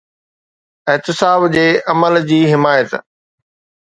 احتساب جي عمل جي حمايت.